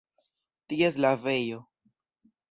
Ties lavejo.